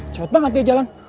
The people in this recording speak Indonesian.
cepet banget dia jalan